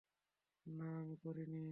না আমি করিনি।